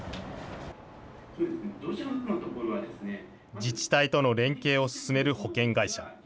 自治体との連携を進める保険会社。